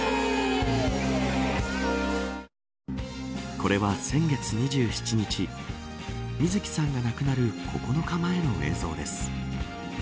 これは先月２７日水木さんが亡くなる９日前の映像です。